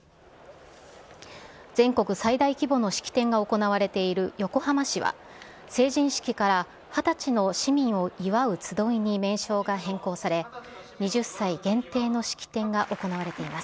全国最大規模の式典が行われている横浜市は、成人式から二十歳の市民を祝うつどいに名称が変更され、２０歳限定の式典が行われています。